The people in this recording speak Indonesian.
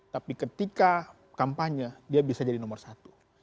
tapi ketika kampanye dia bisa jadi nomor satu